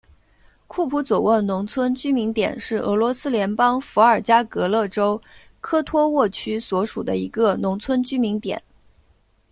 库普佐沃农村居民点是俄罗斯联邦伏尔加格勒州科托沃区所属的一个农村居民点。